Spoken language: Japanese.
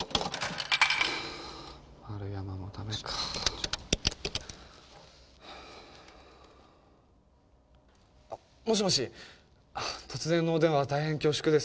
「円山」もダメかもしもし突然のお電話大変恐縮です